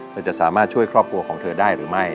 จะสามารถช่วยครอบครัวของเธอได้หรือไม่